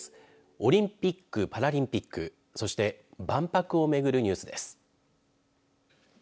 オリンピック・パラリンピックそして万博を巡るニュースです。